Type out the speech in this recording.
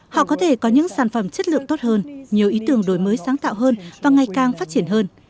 họ có thể có những sản phẩm chất lượng tốt hơn nhiều ý tưởng đổi mới sáng tạo hơn và ngày càng phát triển hơn